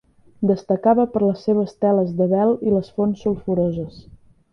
Destacava per les seves teles de vel i les fonts sulfuroses.